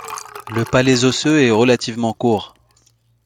Le palais osseux est relativement court.